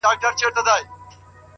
• قاسم یاره وې تله که د خدای خپل سوې,